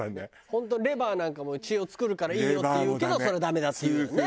本当レバーなんかも血を作るからいいよっていうけどそれはダメだっていうよね。